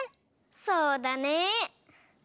そうだね。